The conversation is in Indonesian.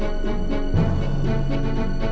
he mau maling lu ya